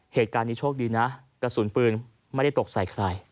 เหตุการณ์นี้โชคดีนะกระสุนปืนไม่ได้ตกใส่ใคร